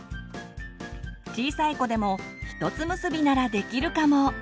小さい子でもひとつ結びならできるかも！